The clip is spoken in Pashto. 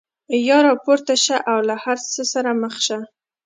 یا راپورته شه او له هر څه سره مخ شه.